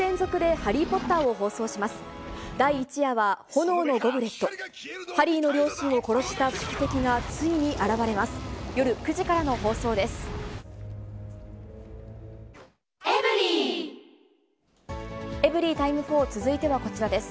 ハリーの両親を殺した宿敵がついに現れます。